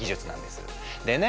でね